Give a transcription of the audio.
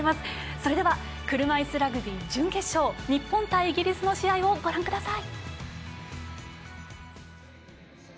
それでは車いすラグビー準決勝、日本対イギリスの試合をご覧ください。